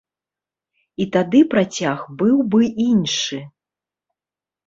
І тады працяг быў бы іншы!